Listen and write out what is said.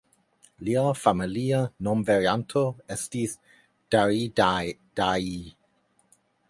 Lia familia nomvarianto estis "Daridai".